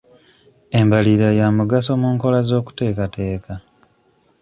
Embalirira ya mugaso mu nkola z'okuteekateeka.